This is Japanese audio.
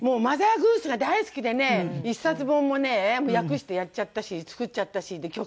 『マザー・グース』が大好きでね一冊分もね訳してやっちゃったし作っちゃったしで。